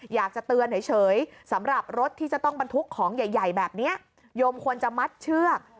อยากจะเตือนเฉยสำหรับรถที่จะต้องบรรทุกของใหญ่แบบนี้โยมควรจะมัดเชือก